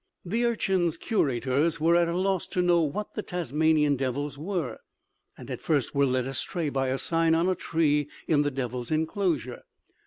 The Urchin's curators were at a loss to know what the Tasmanian devils were and at first were led astray by a sign on a tree in the devils' inclosure.